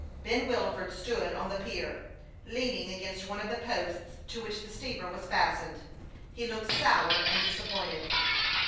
Ben Wilford stood on the pier, leaning against one of the posts to which the steamer was fastened. He looked sour and disappointed.